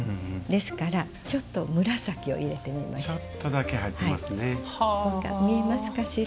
ですからちょっと紫を入れてみました。